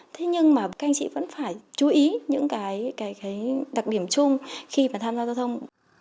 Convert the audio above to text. thế nhưng mà các anh chị vẫn phải chú ý những cái đặc điểm chung khi mà tham gia giao thông